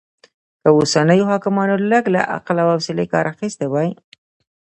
که اوسنيو حاکمانو لږ له عقل او حوصلې کار اخيستی وای